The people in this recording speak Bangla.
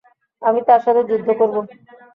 আমি তার সাথে যুদ্ধ করব।